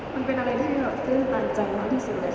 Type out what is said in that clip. มันเป็นอะไรที่ขึ้นต่างจากน้อยที่สุด